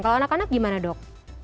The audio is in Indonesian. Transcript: kalau anak anak gimana dok